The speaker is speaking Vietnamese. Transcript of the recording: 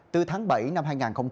từ tháng bảy năm hai nghìn hai mươi hai